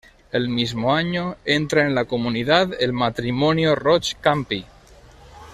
El mismo año, entra en la comunidad el matrimonio Roig-Campi.